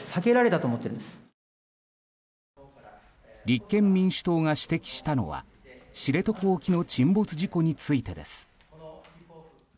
立憲民主党が指摘したのは知床沖の沈没事故についてです。